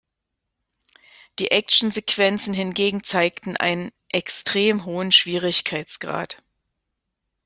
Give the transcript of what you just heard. Die Actionsequenzen hingegen zeigten einen „extrem hohen Schwierigkeitsgrad“.